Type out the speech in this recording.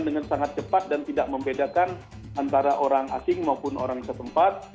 vaksinasi ini sangat cepat dan tidak membedakan antara orang asing maupun orang yang setempat